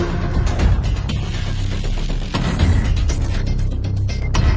ตอนนี้ก็ไม่มีอัศวินทรีย์